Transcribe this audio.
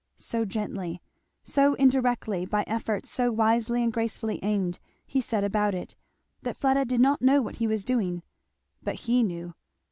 So gently, so indirectly, by efforts so wisely and gracefully aimed, he set about it, that Fleda did not know what he was doing; but he knew.